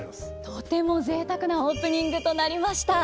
とてもぜいたくなオープニングとなりました。